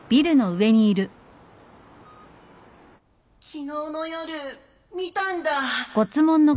昨日の夜見たんだ。